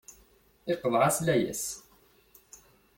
Iqḍeɛ-as layas.